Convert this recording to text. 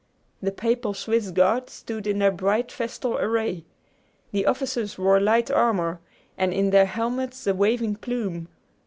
The papal Swiss Guards stood in their bright festal array. The officers wore light armor, and in their helmets a waving plume....